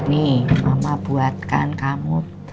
nih mama buatkan kamu